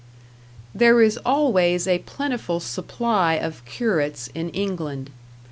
There is always a plentiful supply of curates in England.